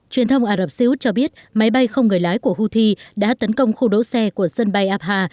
truyền thông ả rập xê út cho biết máy bay không người lái của houthi đã tấn công khu đấu xe của sân bay abha